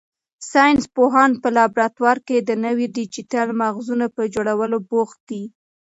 ساینس پوهان په لابراتوار کې د نویو ډیجیټل مغزونو په جوړولو بوخت دي.